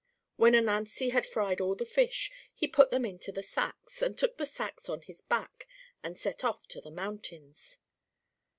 When Ananzi had fried all the fish, he put them into the sacks, and took the sacks on his back, and set off to the mountains.